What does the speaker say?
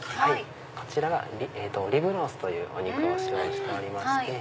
こちらがリブロースというお肉を使用しておりまして。